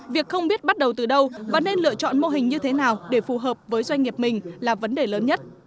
việc không biết bắt đầu từ đâu và nên lựa chọn mô hình như thế nào để phù hợp với doanh nghiệp mình là vấn đề lớn nhất